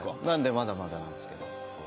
なのでまだまだなんですけど。